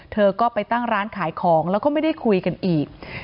เธอก็ไปตั้งร้านขายของแล้วก็ไม่ได้คุยกันอีก